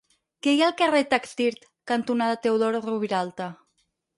Què hi ha al carrer Taxdirt cantonada Teodor Roviralta?